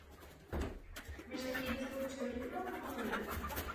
Jeho dvojčetem je fotbalový reprezentant Karel Kula.